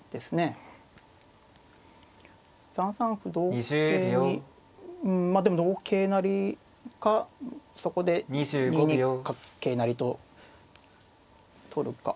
３三歩同桂にうんまあでも同桂成かそこで２二桂成と取るか。